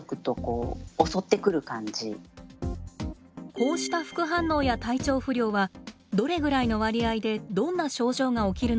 こうした副反応や体調不良はどれぐらいの割合でどんな症状が起きるのでしょうか？